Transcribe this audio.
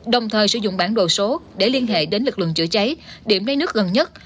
đồng thời sử dụng bản đồ số để liên hệ đến lực lượng chữa cháy điểm lấy nước gần nhất